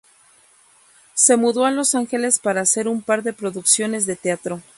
Se mudó a Los Ángeles para hacer un par de producciones de teatro.